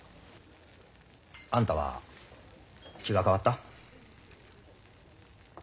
あんたは気が変わった？